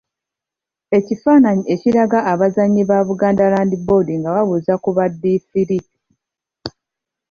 Ekifaananyi ekiraga abazannyi ba Buganda Land Board nga babuuza ku baddiifiri.